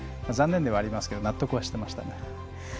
残念ではありますけど納得はしてました。